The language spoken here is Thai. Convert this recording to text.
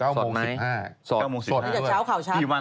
๙โมง๑๕เมื่อเชียวช้าวเปล่า